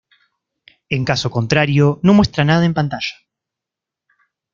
En caso contrario no muestra nada en pantalla.